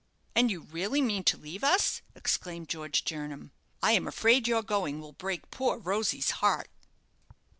"And you really mean to leave us!" exclaimed George Jernam. "I am afraid your going will break poor Rosy's heart."